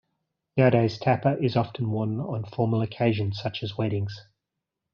Nowadays tapa is often worn on formal occasions such as weddings.